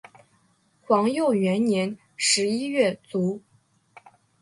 皇佑元年十一月卒。